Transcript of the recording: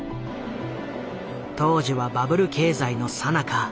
当時はバブル経済のさなか。